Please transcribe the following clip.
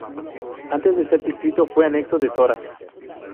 Antes de ser distrito fue anexo de soras.